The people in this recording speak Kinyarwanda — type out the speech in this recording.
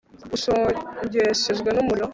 bushongeshejwe n'umuriro